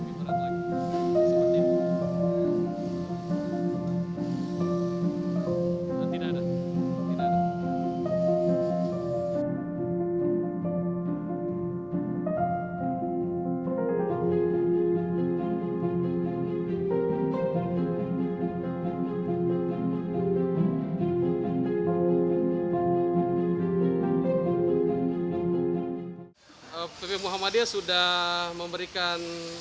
kesadaran untuk memulai kemerdekian